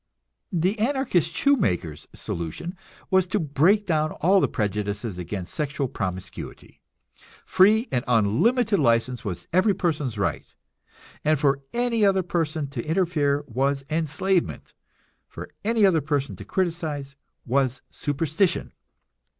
The Anarchist shoemaker's solution was to break down all the prejudices against sexual promiscuity. Free and unlimited license was every person's right, and for any other person to interfere was enslavement, for any other person to criticize was superstition.